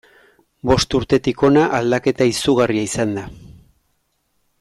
Bost urtetik hona aldaketa izugarria izan da.